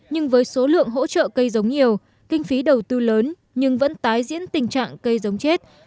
nhưng với số lượng hỗ trợ cây giống nhiều kinh phí đầu tư lớn nhưng vẫn tái diễn tình trạng cây giống chết